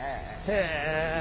へえ。